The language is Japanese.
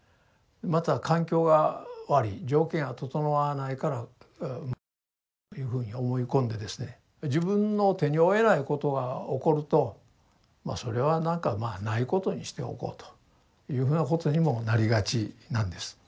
また環境が悪い条件が整わないから自分の手に負えないことが起こるとまあそれはなんかないことにしておこうというふうなことにもなりがちなんです。